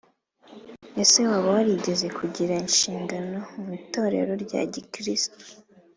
Ese waba warigeze kugira inshingano mu itorero rya gikristo